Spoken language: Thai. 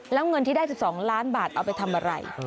แล้วเงินที่ได้๑๒ล้านบาทเอาไปทำอะไร